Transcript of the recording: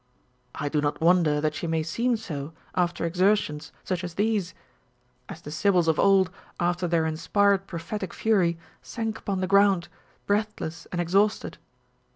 I do not wonder that she may seem so after exertions such as these ; as the Sybils of old after their inspired prophetic fury sank upon the ground, breathless and exhausted.